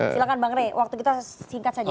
silahkan bang rey waktu kita singkat saja